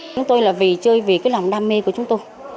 chúng tôi là vì chơi vì cái lòng đam mê của chúng tôi